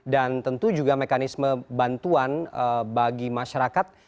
dan tentu juga mekanisme bantuan bagi masyarakat